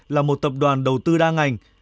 là một tập đoàn đầu tư đa ngành